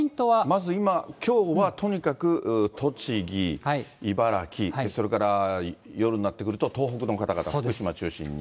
まず今、きょうはとにかく栃木、茨城、それから夜になってくると東北の方々、福島中心に。